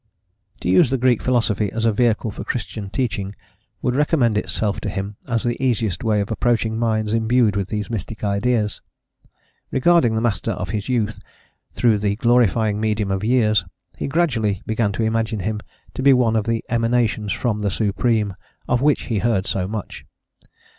To use the Greek philosophy as a vehicle for Christian teaching would recommend itself to him as the easiest way of approaching minds imbued with these mystic ideas. Regarding the master of his youth through the glorifying medium of years, he gradually began to imagine him to be one of the emanations from the Supreme, of which he heard so much.